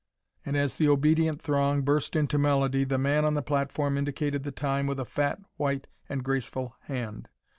'" And as the obedient throng burst into melody the man on the platform indicated the time with a fat, white, and graceful hand.